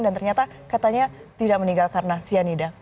dan ternyata katanya tidak meninggal karena sianida